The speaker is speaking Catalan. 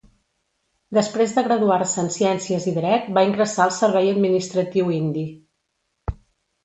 Després de graduar-se en Ciències i Dret, va ingressar al servei administratiu indi.